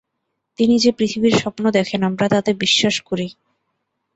তিনি যে পৃথিবীর স্বপ্ন দেখেন আমরা তাতে বিশ্বাস করি।